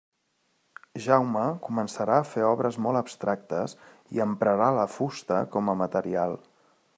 Jaume començarà a fer obres molt abstractes i emprarà la fusta com a material.